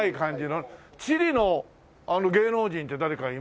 チリの芸能人って誰かいます？